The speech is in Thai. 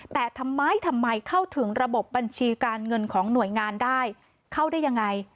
แต่ทำไมทำไมเข้าถึงระบบบัญชีการเงินของหน่วยงานได้เข้าได้ยังไง